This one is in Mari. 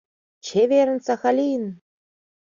ЧЕВЕРЫН, САХАЛИН!